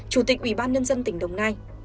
chủ tịch ủy ban nhân dân tỉnh đồng nai